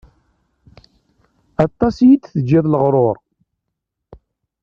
Aṭas i yi-tgiḍ leɣruṛ.